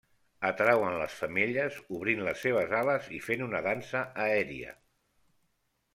Atrauen les femelles obrint les seves ales i fent una dansa aèria.